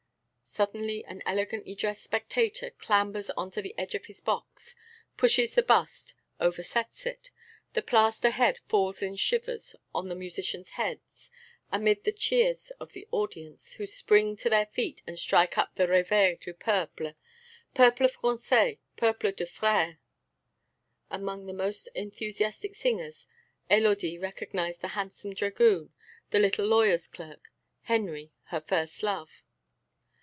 Suddenly an elegantly dressed spectator clambers on to the edge of his box, pushes the bust, oversets it. The plaster head falls in shivers on the musicians' heads amid the cheers of the audience, who spring to their feet and strike up the Réveil du Peuple: Peuple français, peuple de frères!... Among the most enthusiastic singers Élodie recognized the handsome dragoon, the little lawyer's clerk, Henry, her first love.